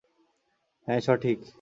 হ্যাঁ, সঠিক।